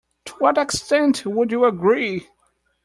To what extent would you agree?